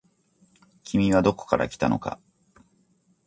君はどこから来たのか。